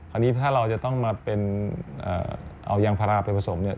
อันนี้ถ้าเราจะต้องมาเป็นเอายางพาราไปผสมเนี่ย